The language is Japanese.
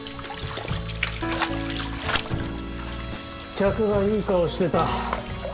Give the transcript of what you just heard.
客がいい顔をしてた。